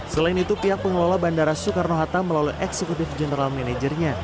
selain itu pihak pengelola bandara soekarno hatta melalui eksekutif general managernya